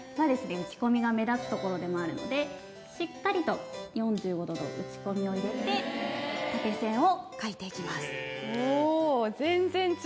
打ち込みが目立つ所でもあるのでしっかりと４５度の打ち込みを入れて縦線を書いていきます。